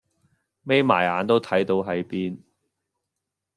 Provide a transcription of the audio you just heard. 眯埋眼都睇到喺邊